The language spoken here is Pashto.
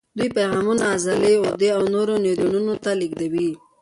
دوی پیغامونه عضلې، غدې او نورو نیورونونو ته لېږدوي.